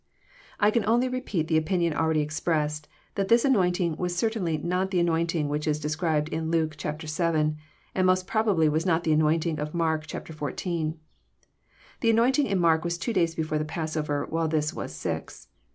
I can only repeat the opinion already expressed, that this anointing was certainly not the anointing which is described in liUke vii. ; and most probably was not the anointing of Mark xiv. The anointing in Mark was two days before the passover, while this was six.